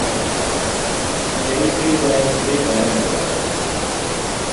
چیایی پێی وایە سبەی باران دەبارێت.